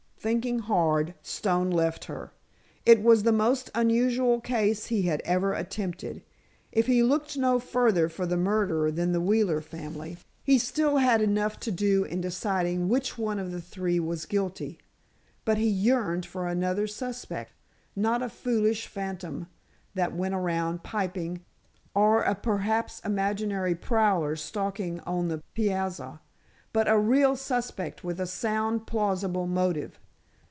Thinking hard, Stone left her. It was the most unusual case he had ever attempted. If he looked no further for the murderer than the Wheeler family, he still had enough to do in deciding which one of the three was guilty. But he yearned for another suspect. Not a foolish phantom that went around piping, or a perhaps imaginary prowler stalking on the piazza, but a real suspect with a sound, plausible motive.